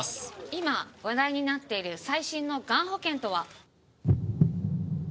今話題になっている最新のがん保険とは？